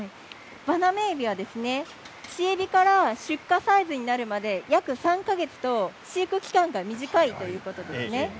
バナメイエビは飼育から出荷サイズになるまで約３か月と飼育期間が短いということです。